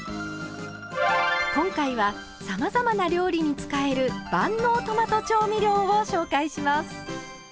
今回はさまざまな料理に使える万能トマト調味料を紹介します。